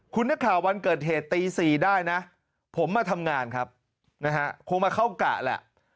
คุณนักข่าววันเกิดเหตุตี๔ได้นะผมมาทำงานครับนะฮะคงมาเข้ากะแหละ